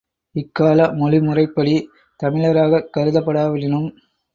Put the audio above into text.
இக்கால மொழி முறைப்படி தமிழராகக் கருதப்படாவிடினும்